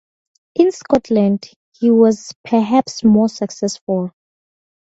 In Scotland, he was perhaps more successful.